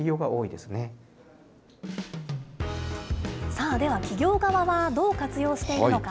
さあでは企業側はどう活用しているのか。